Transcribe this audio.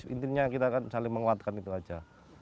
intinya kita saling menguatkan itu aja